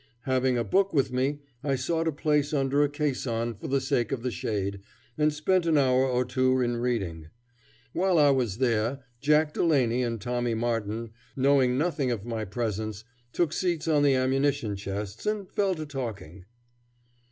Having a book with me I sought a place under a caisson for the sake of the shade, and spent an hour or two in reading. While I was there, Jack Delaney and Tommy Martin, knowing nothing of my presence, took seats on the ammunition chests, and fell to talking.